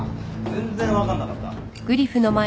全然分かんなかった。